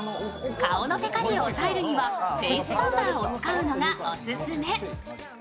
顔のテカリを抑えるにはフェイスパウダーを使うのがオススメ。